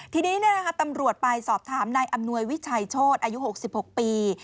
ทีนี้ตำรวจไปสอบถามนายอำนวยวิชัยโชธอายุ๖๖ปี